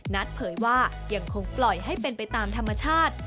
เผยว่ายังคงปล่อยให้เป็นไปตามธรรมชาติ